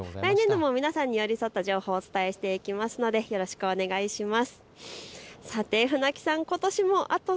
来年度も皆さんに寄り添った情報をお伝えしていきますのでよろしくお願いします。